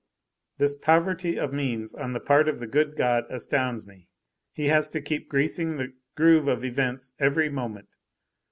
This poverty of means on the part of the good God astounds me. He has to keep greasing the groove of events every moment.